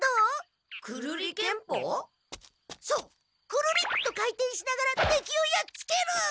クルリっとかいてんしながらてきをやっつける！